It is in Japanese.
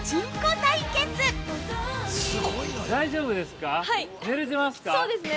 ◆大丈夫ですか？